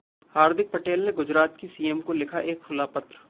हार्दिक पटेल ने गुजरात की सीएम को लिखा एक खुला पत्र